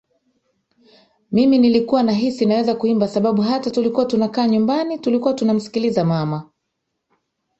mimi Nilikuwa nahisi naweza kuimba Sababu hata tulikuwa tunakaa nyumbani tulikuwa tunamsikiliza mama